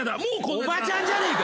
おばちゃんじゃねえか！